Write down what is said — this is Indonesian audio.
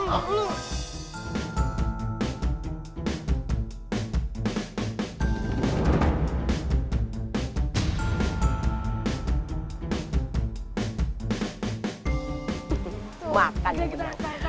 makanya kita menang